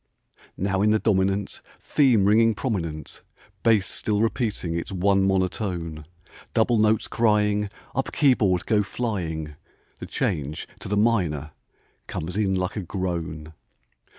Now in the dominant Theme ringing prominent, Bass still repeating its one monotone, Double notes crying, Up keyboard go flying, The change to the minor comes in like a groan.